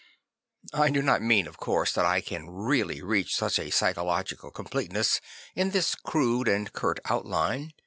I do not mean, of course, that I can realJy reach such a pyschological completeness in this crude and curt outline.